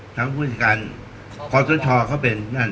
ถ้าเป็นผู้บิจารการครอสเตอร์ชอเขาเป็นนั่น